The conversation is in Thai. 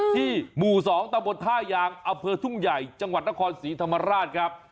หมู่๒ตะบนท่ายางอเภอทุ่งใหญ่จังหวัดนครศรีธรรมราชครับ